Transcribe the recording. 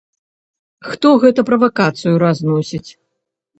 Хто гэта правакацыю разносіць.